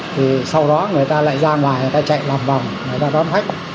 thì sau đó người ta lại ra ngoài người ta chạy làm vòng người ta đón khách